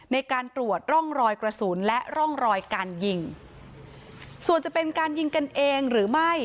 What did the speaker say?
ในการตรวจร่องรอยกระสุนและร่องรอยการยิงส่วนจะเป็นการยิงกันเองหรือไม่